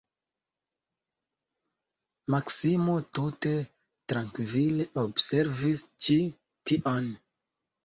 Maksimo tute trankvile observis ĉi tion.